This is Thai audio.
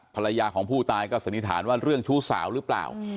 พลังว่าเรื่องชู้สาวหรือปล่าว